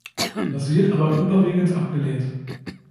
Das wird aber überwiegend abgelehnt.